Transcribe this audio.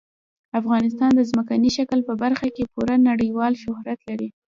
افغانستان د ځمکني شکل په برخه کې پوره نړیوال شهرت لري.